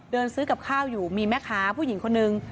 เดินซื้อกับข้าวอยู่มีแม่ค้าผู้หญิงคนนึง